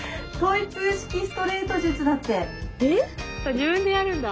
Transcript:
自分でやるんだ。